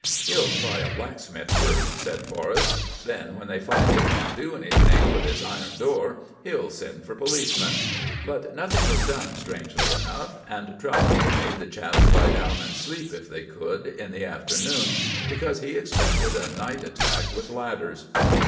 "He'll try a blacksmith first," said Forrest; "then, when they find they can't do anything with this iron door, he'll send for policemen." But nothing was done, strangely enough, and Trelawny made the chaps lie down and sleep if they could in the afternoon, because he expected a night attack with ladders.